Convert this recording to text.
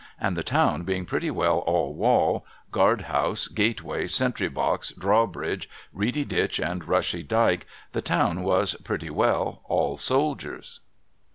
And the town being pretty well all wall, guard house, gateway, sentry box, drawbridge, reedy ditch, and rushy dike, the town was pretty well all soldiers.